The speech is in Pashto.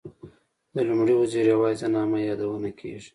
د لومړي وزیر یوازې د نامه یادونه کېږي.